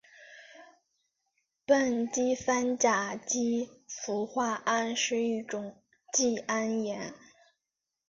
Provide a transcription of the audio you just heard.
苯基三甲基氟化铵是一种季铵盐。